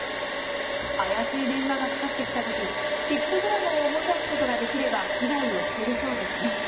怪しい電話がかかってきたときピクトグラムを思い出すことができれば被害を防げそうですね。